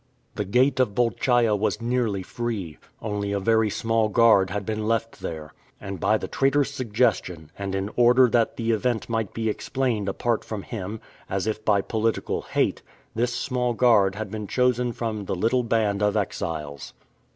The Gate of Bolchaia was nearly free. Only a very small guard had been left there. And by the traitor's suggestion, and in order that the event might be explained apart from him, as if by political hate, this small guard had been chosen from the little band of exiles.